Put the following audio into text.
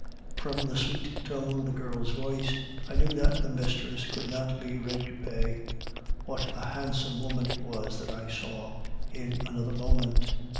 "'From the sweet tone of the girl's voice, I knew that the mistress could not be ready to pay. What a handsome woman it was that I saw in another moment!